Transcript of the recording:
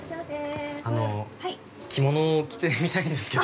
◆着物を着てみたいんですけど。